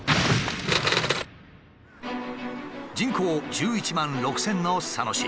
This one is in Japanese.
人口１１万６，０００の佐野市。